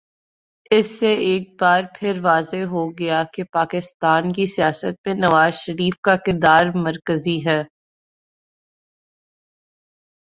اس سے ایک بارپھر واضح ہو گیا کہ پاکستان کی سیاست میں نوازشریف کا کردار مرکزی ہے۔